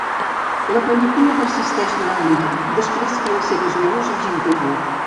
La panícula persisteix durant l’hivern després que les seves llavors hagin caigut.